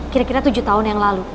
kira kira tujuh tahun yang lalu